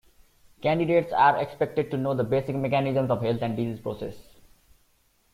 Candidates are expected to know the basic mechanisms of health and disease process.